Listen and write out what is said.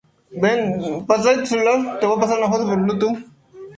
Suelen ser árboles grandes, de crecimiento lento.